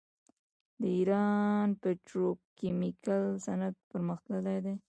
د ایران پتروکیمیکل صنعت پرمختللی دی.